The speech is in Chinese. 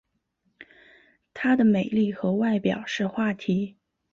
她的美丽和外表是话题。